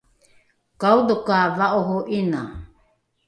okaodho ka va’oro ’ina